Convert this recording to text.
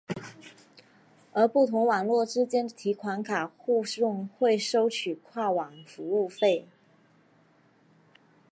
而不同网络之间的提款卡互用会收取跨网服务费。